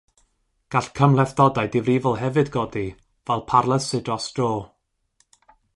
Gall cymhlethdodau difrifol hefyd godi, fel parlysu dros dro.